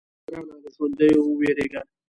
_اه ګرانه! له ژونديو ووېرېږه.